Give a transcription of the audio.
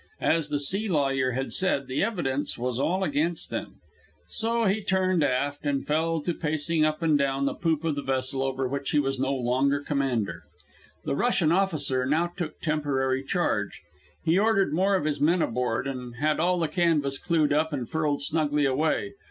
As the sea lawyer had said, the evidence was all against him. So he turned aft, and fell to pacing up and down the poop of the vessel over which he was no longer commander. The Russian officer now took temporary charge. He ordered more of his men aboard, and had all the canvas clewed up and furled snugly away.